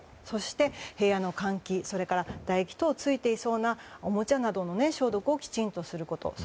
そして部屋の換気唾液などがついていそうなおもちゃなどの消毒をきちんとすること。